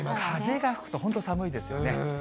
風が吹くと本当に寒いですよね。